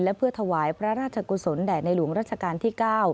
และเพื่อถวายพระราชกุศลแด่ในหลวงรัชกาลที่๙